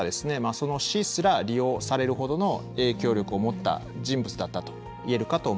その死すら利用されるほどの影響力を持った人物だったと言えるかと思います。